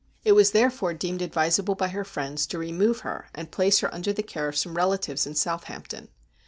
It was therefore deemed advisable by her friends to remove her and place her under the care of some relatives in Southampton.